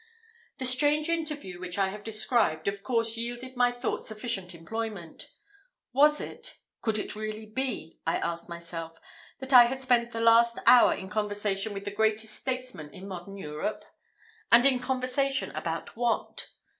The strange interview which I have described of course yielded my thoughts sufficient employment. Was it could it really be, I asked myself, that I had spent the last hour in conversation with the greatest statesman in modern Europe? And in conversation about what?